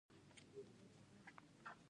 د واخان ملي پارک کوم حیوانات لري؟